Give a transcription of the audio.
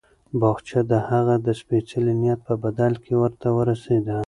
باغچه د هغه د سپېڅلي نیت په بدل کې ورته ورسېده.